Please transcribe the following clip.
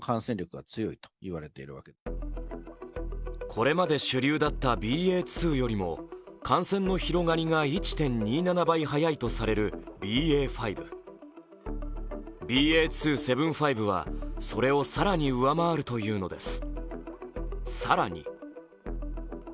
これまで主流だったＢＡ．２よりも感染の広がりが１．２７倍速いとされるＢＡ．５。ＢＡ．２．７５はそれを更に上回るというのです。